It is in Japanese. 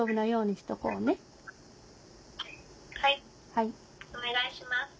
はいお願いします。